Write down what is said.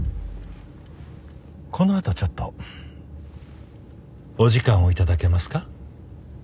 このあとちょっとお時間を頂けますか？